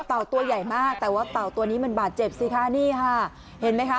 ตัวใหญ่มากแต่ว่าเต่าตัวนี้มันบาดเจ็บสิคะนี่ค่ะเห็นไหมคะ